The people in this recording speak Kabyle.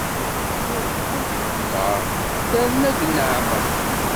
Bu rebɛa n tɣemmar, terna-d nneɛma.